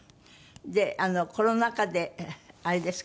であのコロナ禍であれですか？